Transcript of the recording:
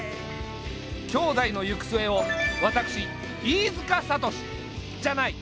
兄妹の行く末を私飯塚悟志じゃない。